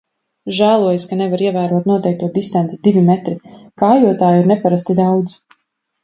Žēlojas, ka nevar ievērot noteikto distanci – divi metri, kājotāju ir neparasti daudz.